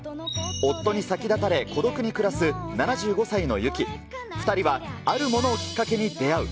夫に先立たれ、孤独に暮らす７５歳の雪、２人はあるものをきっかけに出会う。